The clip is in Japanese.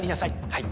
はい。